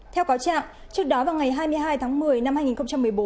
theo cáo trạng trước đó vào ngày hai mươi hai tháng một mươi năm hai nghìn một mươi bốn